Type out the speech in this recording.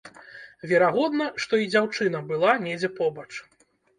Верагодна, што і дзяўчына была недзе побач.